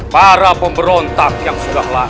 para pemerintah yang telah mencari kejahatan ini